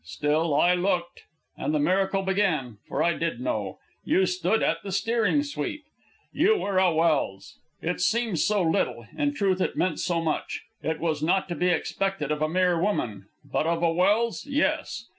Still, I looked, and the miracle began, for I did know. You stood at the steering sweep. You were a Welse. It seems so little; in truth it meant so much. It was not to be expected of a mere woman, but of a Welse, yes.